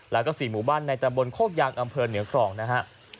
แล้วก็๔หมู่บ้านในตำบลโคกยางอำเภอเหนือครองนะฮะ